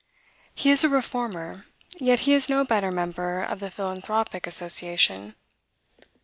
He is a reformer: yet he is no better member of the philanthropic association.